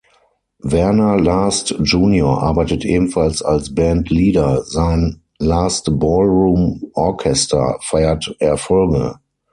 Werner Last junior arbeitet ebenfalls als Bandleader; sein „Last Ballroom Orchester“ feiert Erfolge.